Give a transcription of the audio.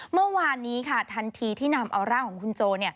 เมื่อวานนี้ค่ะทันทีที่นำเอาร่างของคุณโจ